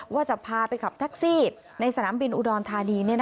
ว่าจะพาไปขับแท็กซี่ในสนามบินอุดรธานี